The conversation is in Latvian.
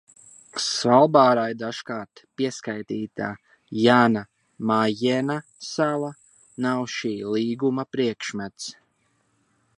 Svalbārai dažkārt pieskaitītā Jana Majena sala nav šī līguma priekšmets.